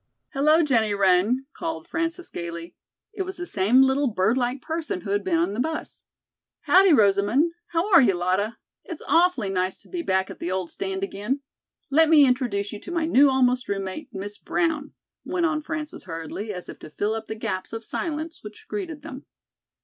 "Hello, Jennie Wren!" called Frances gayly. It was the same little bird like person who had been in the bus. "Howdy, Rosamond. How are you, Lotta? It's awfully nice to be back at the old stand again. Let me introduce you to my new almost roommate, Miss Brown," went on Frances hurriedly, as if to fill up the gaps of silence which greeted them.